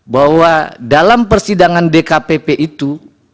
bahwa dalam persidangan dkpp itu